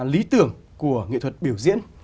lý tưởng của nghệ thuật biểu diễn